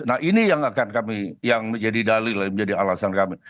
nah ini yang akan kami yang menjadi dalil yang menjadi alasan kami